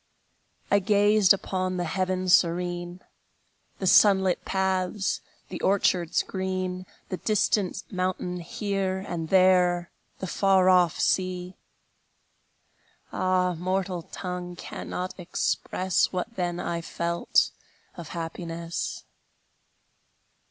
I gazed upon the heaven serene, The sun lit paths, the orchards green, The distant mountain here, And there, the far off sea. Ah, mortal tongue cannot express What then I felt of happiness!